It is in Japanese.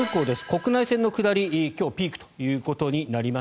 国内線の下り、今日ピークということになります。